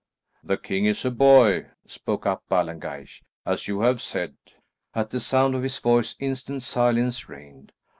"The king is a boy," spoke up Ballengeich, "as you have said." At the sound of his voice instant silence reigned.